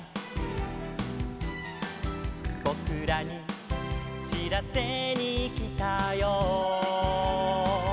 「ぼくらにしらせにきたよ」